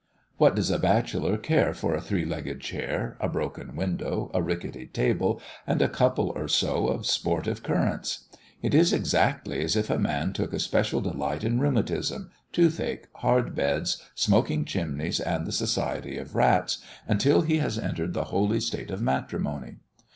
What does a bachelor care for a three legged chair, a broken window, a ricketty table, and a couple or so of sportive currents? It is exactly as if a man took a special delight in rheumatism, tooth ache, hard beds, smoking chimneys, and the society of rats, until he has entered the holy state of matrimony.